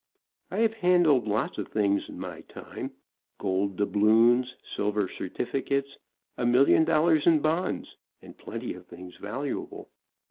I have handled lots of things in my time, gold doubloons, silver certificates, a million dollars in bonds, and plenty of things valu able.